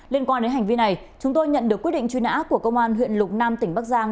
liên quan đến hành vi này chúng tôi nhận được quyết định truy nã của công an huyện lục nam tỉnh bắc giang